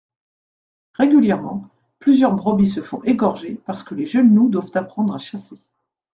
Régulièrement, plusieurs brebis se font égorger parce que les jeunes loups doivent apprendre à chasser.